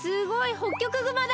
ホッキョクグマだ！